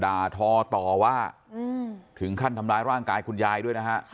ทอต่อว่าถึงขั้นทำร้ายร่างกายคุณยายด้วยนะฮะ